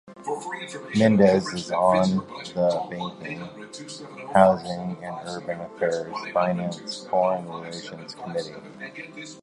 Menendez is on the Banking, Housing and Urban Affairs, Finance and Foreign Relations committees.